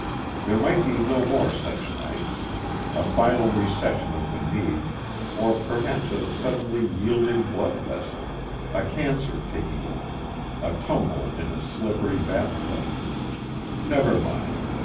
There might be no more such nights: a final recession of the need, or perhaps a suddenly yielding blood vessel, a cancer taking over, a tumble in a slippery bathtub never mind....